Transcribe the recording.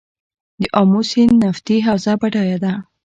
د امو سیند نفتي حوزه بډایه ده؟